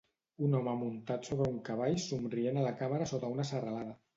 Un home muntat sobre un cavall somrient a la càmera sota una serralada.